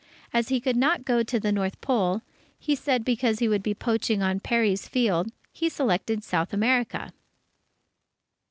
As he could not go to the North Pole, he said, because that would be poaching on Peary's field, he selected South America.